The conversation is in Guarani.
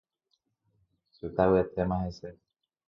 Che chetavyetéma hese.